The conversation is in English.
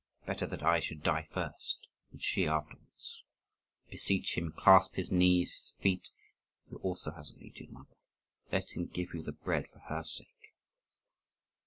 Better that I should die first, and she afterwards! Beseech him; clasp his knees, his feet: he also has an aged mother, let him give you the bread for her sake!